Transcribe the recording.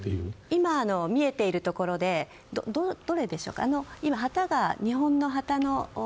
今見えているところでどれでしょうか。